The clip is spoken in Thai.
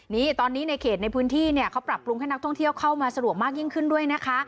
นี่ตอนนี้ในเขตในพื้นที่เนี่ยเขาปรับปรุงให้นักท่องเที่ยวเข้ามาสะดวกมากยิ่งขึ้นด้วยนะคะ